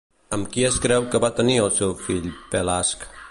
Amb qui es creu que va tenir el seu fill Pelasg?